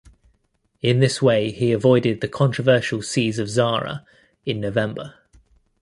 In this way he avoided the controversial siege of Zara in November.